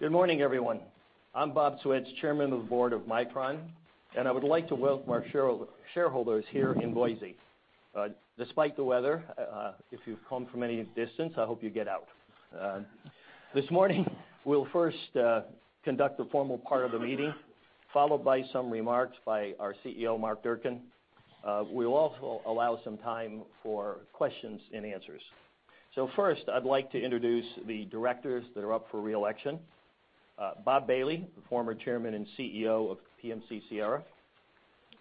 Good morning, everyone. I'm Bob Switz, Chairman of the Board of Micron, and I would like to welcome our shareholders here in Boise. Despite the weather, if you've come from any distance, I hope you get out. This morning, we'll first conduct the formal part of the meeting, followed by some remarks by our CEO, Mark Durcan. We will also allow some time for questions and answers. First, I'd like to introduce the directors that are up for re-election. Bob Bailey, former Chairman and CEO of PMC-Sierra.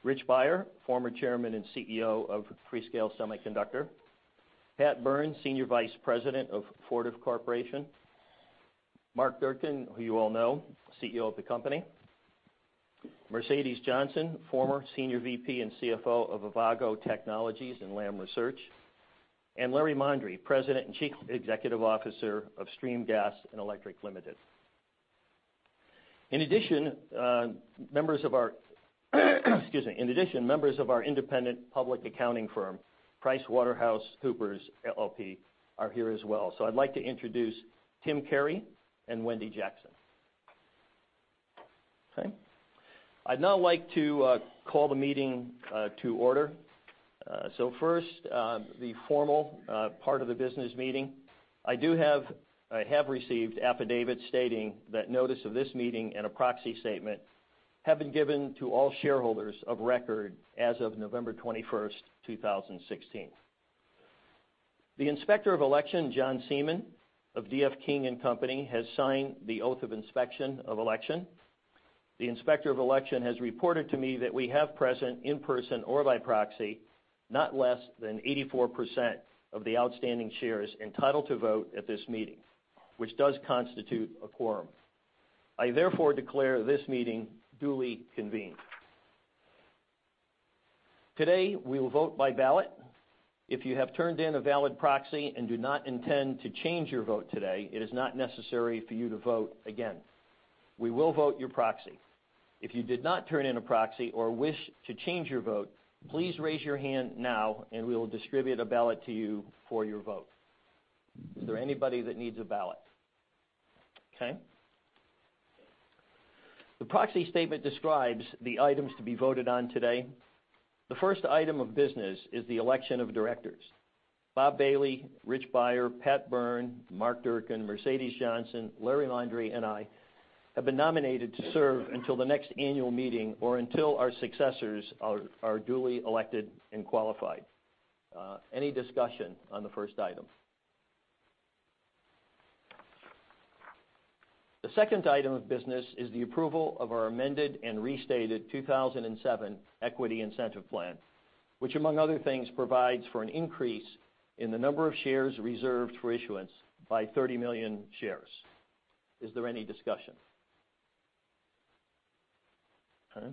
Rich Beyer, former Chairman and CEO of Freescale Semiconductor. Pat Byrne, Senior Vice President of Fortive Corporation. Mark Durcan, who you all know, CEO of the company. Mercedes Johnson, former Senior VP and CFO of Avago Technologies and Lam Research. Larry Mondry, President and Chief Executive Officer of Stream Gas & Electric, Ltd.. In addition, members of our independent public accounting firm, PricewaterhouseCoopers LLP, are here as well. I'd like to introduce Tim Carey and Wendy Jackson. Okay. I'd now like to call the meeting to order. First, the formal part of the business meeting. I have received affidavits stating that notice of this meeting and a proxy statement have been given to all shareholders of record as of November 21st, 2016. The Inspector of Election, John Seaman of D.F. King & Co., has signed the oath of inspection of election. The Inspector of Election has reported to me that we have present, in person or by proxy, not less than 84% of the outstanding shares entitled to vote at this meeting, which does constitute a quorum. I therefore declare this meeting duly convened. Today, we will vote by ballot. If you have turned in a valid proxy and do not intend to change your vote today, it is not necessary for you to vote again. We will vote your proxy. If you did not turn in a proxy or wish to change your vote, please raise your hand now, and we will distribute a ballot to you for your vote. Is there anybody that needs a ballot? Okay. The proxy statement describes the items to be voted on today. The first item of business is the election of directors. Bob Bailey, Rich Beyer, Pat Byrne, Mark Durcan, Mercedes Johnson, Larry Mondry, and I have been nominated to serve until the next annual meeting or until our successors are duly elected and qualified. Any discussion on the first item? The second item of business is the approval of our amended and restated 2007 Equity Incentive Plan, which, among other things, provides for an increase in the number of shares reserved for issuance by 30 million shares. Is there any discussion? Okay.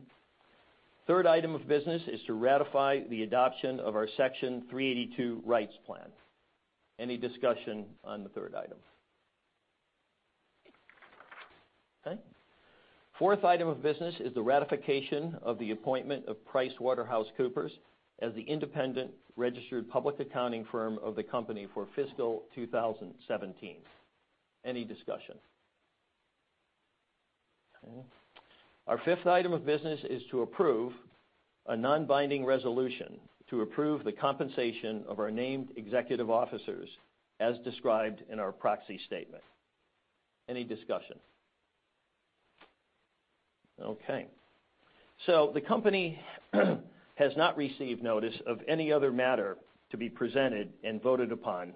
Third item of business is to ratify the adoption of our Section 382 Rights Plan. Any discussion on the third item? Okay. Fourth item of business is the ratification of the appointment of PricewaterhouseCoopers as the independent registered public accounting firm of the company for fiscal 2017. Any discussion? Okay. Our fifth item of business is to approve a non-binding resolution to approve the compensation of our named executive officers as described in our proxy statement. Any discussion? Okay. The company has not received notice of any other matter to be presented and voted upon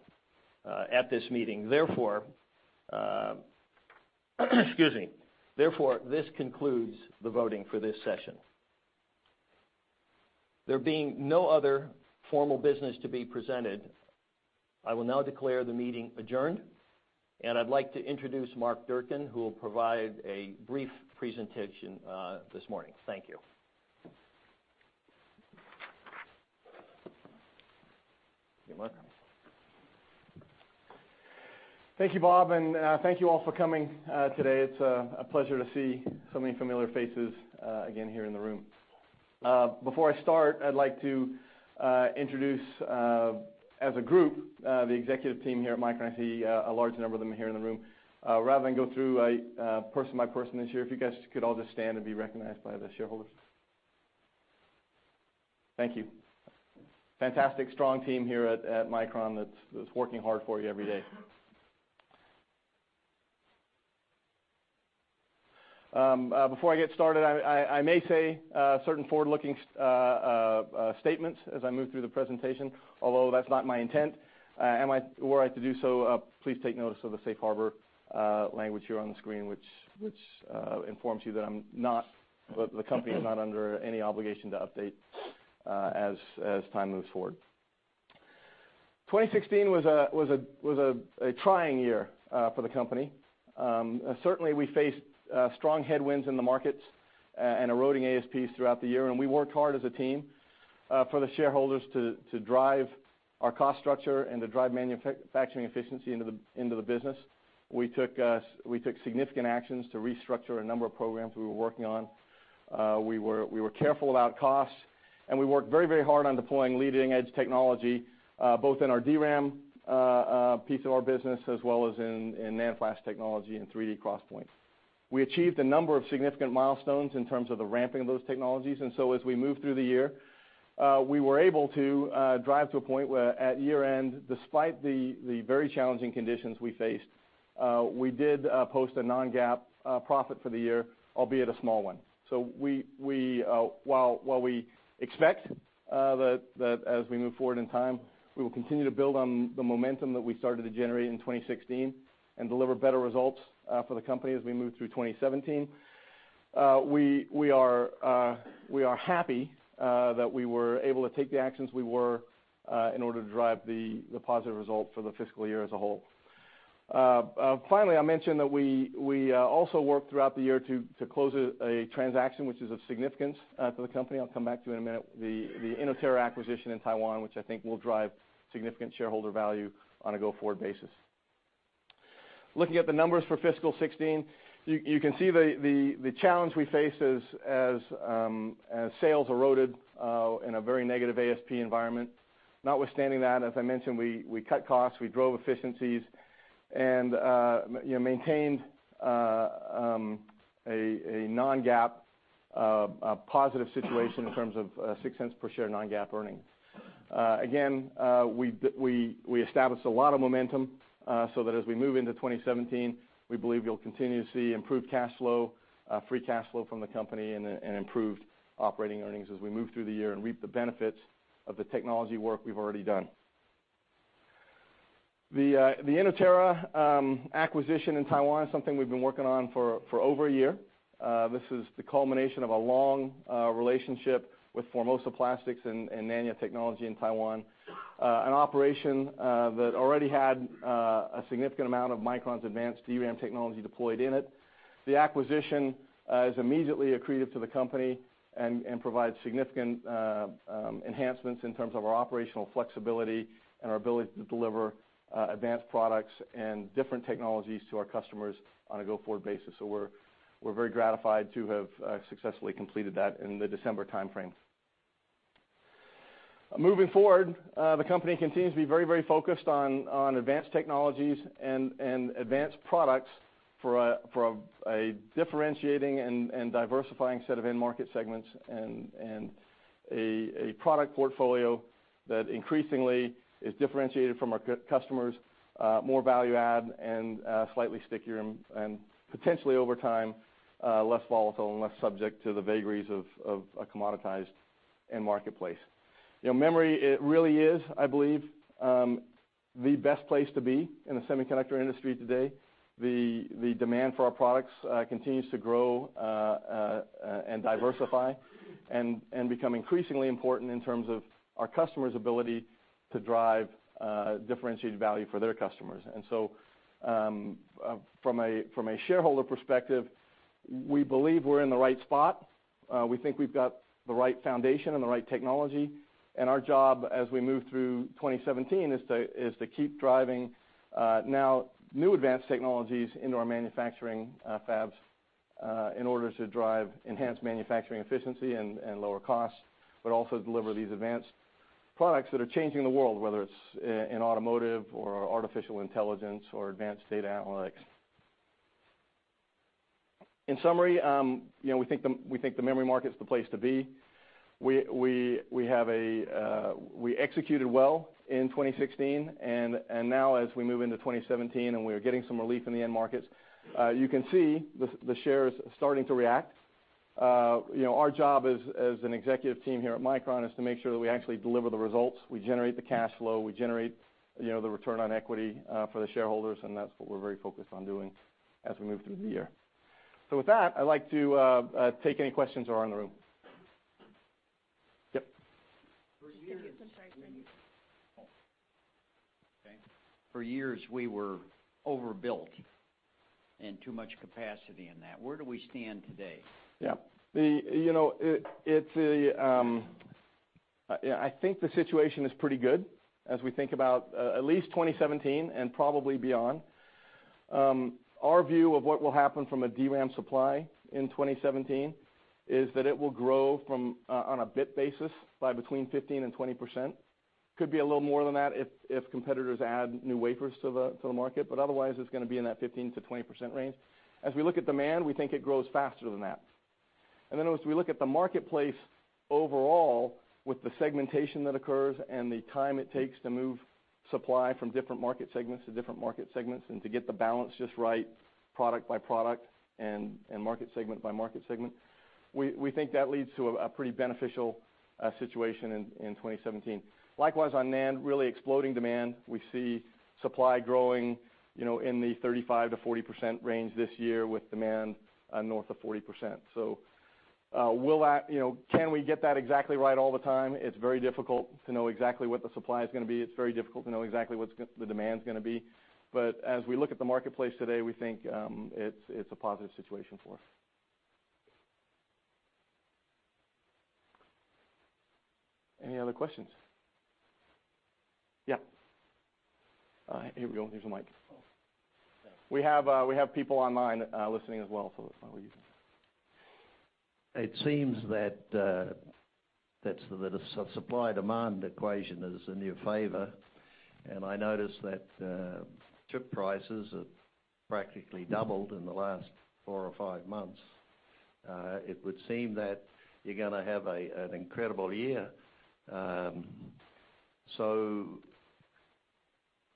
at this meeting. Therefore, this concludes the voting for this session. There being no other formal business to be presented, I will now declare the meeting adjourned. I'd like to introduce Mark Durcan, who will provide a brief presentation this morning. Thank you. You're welcome. Thank you, Bob. Thank you all for coming today. It's a pleasure to see so many familiar faces again here in the room. Before I start, I'd like to introduce, as a group, the executive team here at Micron. I see a large number of them here in the room. Rather than go through person by person this year, if you guys could all just stand and be recognized by the shareholders. Thank you. Fantastic, strong team here at Micron that's working hard for you every day. Before I get started, I may say certain forward-looking statements as I move through the presentation, although that's not my intent. Were I to do so, please take notice of the safe harbor language here on the screen, which informs you that the company is not under any obligation to update as time moves forward. 2016 was a trying year for the company. Certainly, we faced strong headwinds in the markets, eroding ASPs throughout the year. We worked hard as a team for the shareholders to drive our cost structure and to drive manufacturing efficiency into the business. We took significant actions to restructure a number of programs we were working on. We were careful about costs. We worked very, very hard on deploying leading-edge technology, both in our DRAM piece of business as well as in NAND flash technology and 3D XPoint. We achieved a number of significant milestones in terms of the ramping of those technologies. As we moved through the year, we were able to drive to a point where at year-end, despite the very challenging conditions we faced, we did post a non-GAAP profit for the year, albeit a small one. While we expect that as we move forward in time, we will continue to build on the momentum that we started to generate in 2016 and deliver better results for the company as we move through 2017. We are happy that we were able to take the actions we were, in order to drive the positive result for the fiscal year as a whole. Finally, I'll mention that we also worked throughout the year to close a transaction which is of significance for the company. I'll come back to it in a minute. The Inotera acquisition in Taiwan, which I think will drive significant shareholder value on a go-forward basis. Looking at the numbers for fiscal 2016, you can see the challenge we face as sales eroded in a very negative ASP environment. Notwithstanding that, as I mentioned, we cut costs, we drove efficiencies, and maintained a non-GAAP positive situation in terms of $0.06 per share non-GAAP earnings. We established a lot of momentum so that as we move into 2017, we believe you'll continue to see improved cash flow, free cash flow from the company, and improved operating earnings as we move through the year and reap the benefits of the technology work we've already done. The Inotera acquisition in Taiwan is something we've been working on for over a year. This is the culmination of a long relationship with Formosa Plastics and Nanya Technology in Taiwan, an operation that already had a significant amount of Micron's advanced DRAM technology deployed in it. The acquisition is immediately accretive to the company and provides significant enhancements in terms of our operational flexibility and our ability to deliver advanced products and different technologies to our customers on a go-forward basis. We're very gratified to have successfully completed that in the December timeframe. Moving forward, the company continues to be very, very focused on advanced technologies and advanced products for a differentiating and diversifying set of end market segments, and a product portfolio that increasingly is differentiated from our customers, more value add, and slightly stickier, and potentially over time, less volatile and less subject to the vagaries of a commoditized end marketplace. Memory, it really is, I believe, the best place to be in the semiconductor industry today. The demand for our products continues to grow and diversify and become increasingly important in terms of our customers' ability to drive differentiated value for their customers. From a shareholder perspective, we believe we're in the right spot. We think we've got the right foundation and the right technology. Our job as we move through 2017 is to keep driving now new advanced technologies into our manufacturing fabs in order to drive enhanced manufacturing efficiency and lower costs, but also deliver these advanced products that are changing the world, whether it's in automotive or artificial intelligence or advanced data analytics. In summary, we think the memory market's the place to be. We executed well in 2016, now as we move into 2017 and we are getting some relief in the end markets, you can see the share is starting to react. Our job as an executive team here at Micron is to make sure that we actually deliver the results, we generate the cash flow, we generate the return on equity for the shareholders, and that's what we're very focused on doing as we move through the year. With that, I'd like to take any questions that are in the room. Yep. For years- Can you get some pricing? Okay. For years we were overbuilt and too much capacity in that. Where do we stand today? Yeah. I think the situation is pretty good as we think about at least 2017 and probably beyond. Our view of what will happen from a DRAM supply in 2017 is that it will grow from, on a bit basis, by between 15% and 20%. Could be a little more than that if competitors add new wafers to the market, otherwise it's going to be in that 15%-20% range. As we look at demand, we think it grows faster than that. As we look at the marketplace overall with the segmentation that occurs and the time it takes to move supply from different market segments to different market segments and to get the balance just right product by product and market segment by market segment, we think that leads to a pretty beneficial situation in 2017. Likewise, on NAND, really exploding demand. We see supply growing in the 35%-40% range this year with demand north of 40%. Can we get that exactly right all the time? It's very difficult to know exactly what the supply is going to be. It's very difficult to know exactly what the demand's going to be. As we look at the marketplace today, we think it's a positive situation for us. Any other questions? Yeah. Here we go. Here's a microphone. We have people online listening as well, so that's why we're using this. It seems that the supply-demand equation is in your favor, and I noticed that chip prices have practically doubled in the last four or five months. It would seem that you're going to have an incredible year.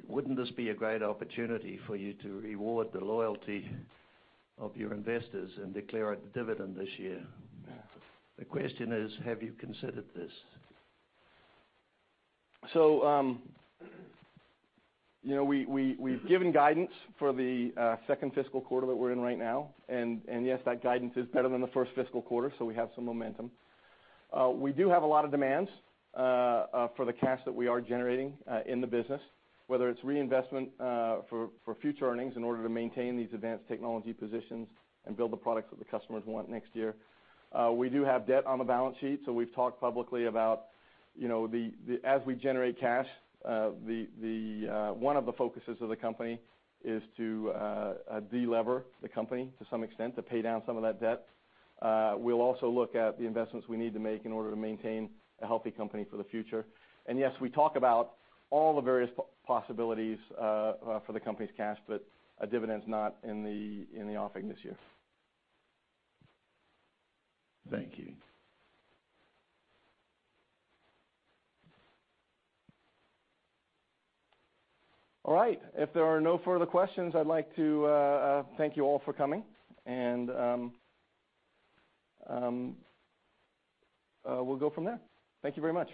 Wouldn't this be a great opportunity for you to reward the loyalty of your investors and declare a dividend this year? The question is: have you considered this? We've given guidance for the second fiscal quarter that we're in right now. Yes, that guidance is better than the first fiscal quarter, so we have some momentum. We do have a lot of demands for the cash that we are generating in the business, whether it's reinvestment for future earnings in order to maintain these advanced technology positions and build the products that the customers want next year. We do have debt on the balance sheet, so we've talked publicly about as we generate cash, one of the focuses of the company is to de-lever the company to some extent to pay down some of that debt. We'll also look at the investments we need to make in order to maintain a healthy company for the future. Yes, we talk about all the various possibilities for the company's cash, but a dividend's not in the offing this year. Thank you. All right. If there are no further questions, I'd like to thank you all for coming, and we'll go from there. Thank you very much.